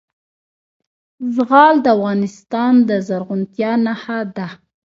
زغال د افغانستان د زرغونتیا نښه ده.